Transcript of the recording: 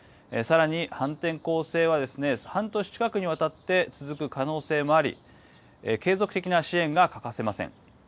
さらに反転攻勢は３年近くにわたって続く可能性もあり継続的な支援が欠かせません。